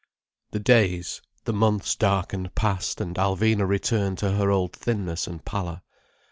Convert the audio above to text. The days, the months darkened past, and Alvina returned to her old thinness and pallor.